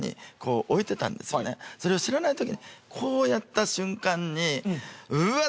それを知らないときにこうやった瞬間にウワッ！